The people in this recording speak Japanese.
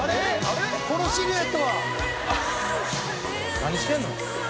「何してんの？」